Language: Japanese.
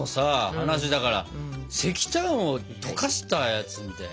話だから石炭を溶かしたやつみたいな。